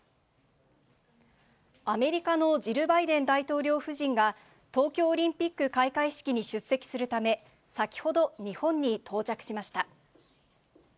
アメリカのジル・バイデン大統領夫人が、東京オリンピック開会式に出席するため、先ほど日本に到着しました。